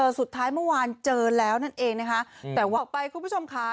สุดท้ายเมื่อวานเจอแล้วนั่นเองนะคะแต่ว่าไปคุณผู้ชมค่ะ